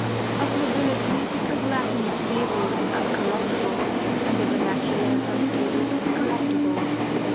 Of nobility, because Latin is stable and uncorruptible and the verna i. cular is unstable and corruptible.